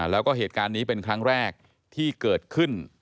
แล้วก็เหตุการณ์นี้เป็นครั้งแรกที่เกิดขึ้น